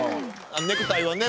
ネクタイをね